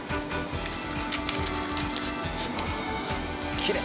きれい。